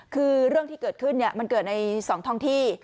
คือเรื่องที่เกิดขึ้นมันเกิดใน๒ท้องที่